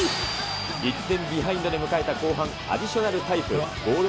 １点ビハインド出迎えた後半アディショナルタイム。